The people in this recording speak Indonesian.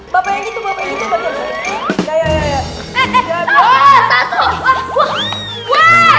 bapak yang gitu bapak yang gitu